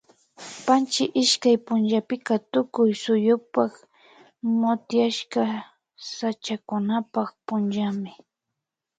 Panchi ishkay punllapika Tukuy suyupak motiashka sachakunapak punllami